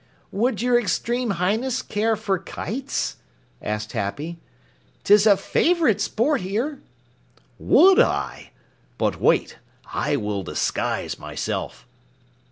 "Would your Extreme Highness care for kites?" asked Happy. "'Tis a favorite sport here!" "Would I! But wait, I will disguise myself."